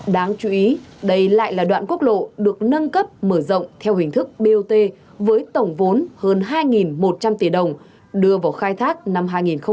đáng chú ý đây lại là đoạn quốc lộ được nâng cấp mở rộng theo hình thức bot với tổng vốn hơn hai một trăm linh tỷ đồng đưa vào khai thác năm hai nghìn một mươi bảy